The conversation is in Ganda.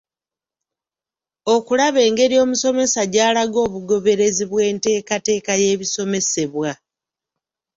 Okulaba engeri omusomesa gy’alaga obugoberezi bw’enteekateeka y’ebisomesebwa